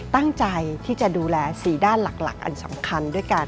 ตั้งใจที่จะดูแล๔ด้านหลักอันสำคัญด้วยกัน